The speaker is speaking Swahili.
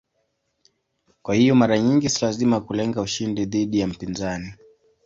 Kwa hiyo mara nyingi si lazima kulenga ushindi dhidi ya mpinzani.